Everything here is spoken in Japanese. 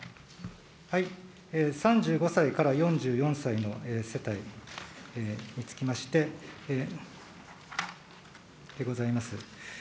３５歳から４４歳の世帯につきまして、でございます。